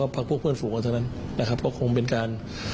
พักพวกเพื่อนฝูงกันเท่านั้นนะครับก็คงเป็นการ